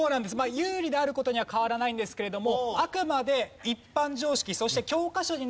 有利である事には変わらないんですけれどもあくまで。